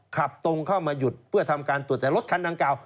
ขับตรงเข้ามาหยุดเพื่อทำการตรวจแต่รถคันดังกล่าว